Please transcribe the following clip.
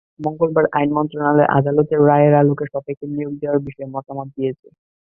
মঙ্গলবার আইন মন্ত্রণালয় আদালতের রায়ের আলোকে সবাইকে নিয়োগ দেওয়ার বিষয়ে মতামত দিয়েছে।